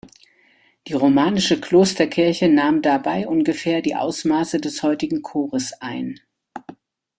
Die romanische Klosterkirche nahm dabei ungefähr die Ausmaße des heutigen Chores ein.